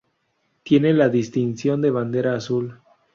Tiene la distinción de bandera azul.